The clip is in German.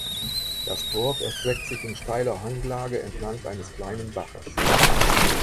Das Dorf erstreckt in steiler Hanglage entlang eines kleinen Baches.